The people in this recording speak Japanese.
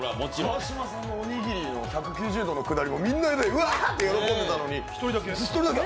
川島さんのおにぎりの１９０度のくだりもみんなでワーッて喜んでたのに、一人だけ。